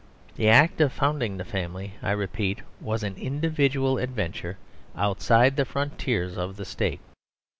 The act of founding the family, I repeat, was an individual adventure outside the frontiers of the State.